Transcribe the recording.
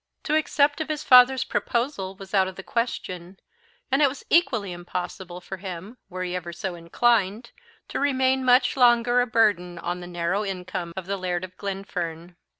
To accept of his father's proposal was out of the question, and it was equally impossible for him, were he ever so inclined, to remain much longer a burden on the narrow income of the Laird of Glenfern.